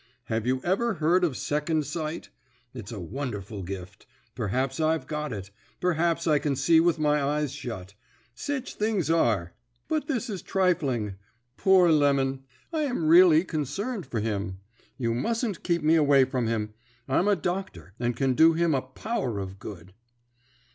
Have you ever heard of second sight? It's a wonderful gift. Perhaps I've got it; perhaps I can see with my eyes shut. Sech things are. But this is trifling. Poor Lemon! I am really concerned for him. You musn't keep me away from him. I'm a doctor, and can do him a power of good.'